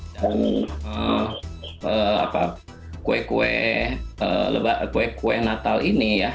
dan kue kue lebaran kue kue natal ini ya